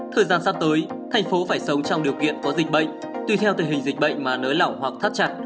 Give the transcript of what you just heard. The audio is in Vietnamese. thời gian sắp tới thành phố phải sống trong điều kiện có dịch bệnh tuy theo tình hình dịch bệnh mà nới lỏng hoặc thắt chặt